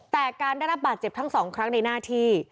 แต่การได้รับบาดเจ็บทั้งสองครั้งในหน้าที่